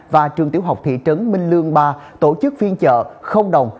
và trường tiểu học thị trấn minh lương ba tổ chức phiên chợ không đồng